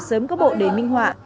sớm có bộ đến minh họa